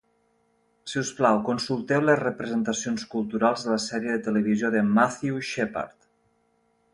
Si us plau, consulteu les representacions culturals de la sèrie de televisió de Matthew Shepard.